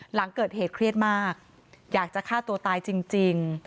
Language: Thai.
หลังเกิดเหตุเครียดมากอยากจะฆ่าตัวตายจริง